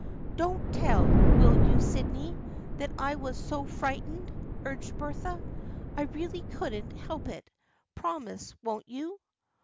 " Don't tell, will you, Sydney, that I was so frightened?" urged Bertha. " I really couldn't help it. Promise, won't you